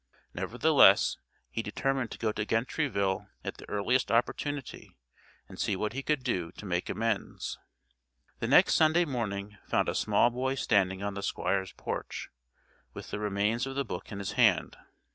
Nevertheless he determined to go to Gentryville at the earliest opportunity and see what he could do to make amends. The next Sunday morning found a small boy standing on the Squire's porch with the remains of the book in his hand.